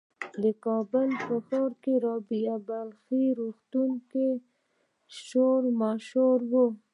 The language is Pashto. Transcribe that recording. د کابل ښار په رابعه بلخي روغتون کې شور ماشور و.